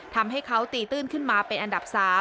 ทำให้เขาตีตื้นขึ้นมาเป็นอันดับ๓